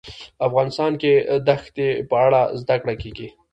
افغانستان کې د دښتې په اړه زده کړه کېږي.